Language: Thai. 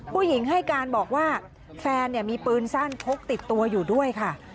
ผู้หญิงให้การบอกว่าแฟนมีปืนสั้นพกติดตัวอยู่ด้วยค่ะ